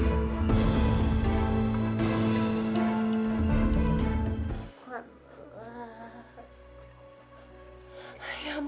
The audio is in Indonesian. lama lagi ya